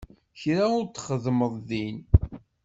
Kra ur t-xeddmeɣ din.